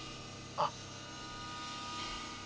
あっ！